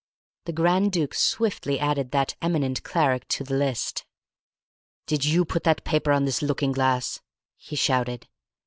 The Grand Duke swiftly added that eminent cleric to the list. "Did you put that paper on this looking glass?" he shouted.